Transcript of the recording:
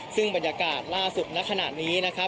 ซึ่งบรรยากาศล่าสุดในขณะนี้